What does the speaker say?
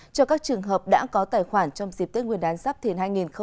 cho các trường hợp đã có tài khoản trong dịp tết nguyên đán giáp thìn hai nghìn hai mươi bốn